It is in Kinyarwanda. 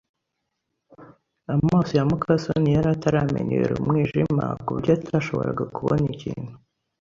Amaso ya muka soni yari ataramenyera umwijima, ku buryo atashoboraga kubona ikintu.